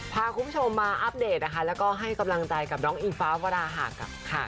พาคุณผู้ชมมาอัปเดตนะคะแล้วก็ให้กำลังใจกับน้องอิงฟ้าวราหักค่ะ